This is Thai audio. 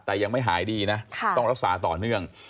แต่ยังไม่หายดีนะต้องรักษาต่อเนื่อง